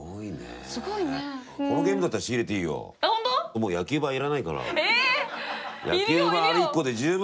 もう野球盤いらないかな。